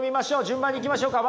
順番にいきましょうか。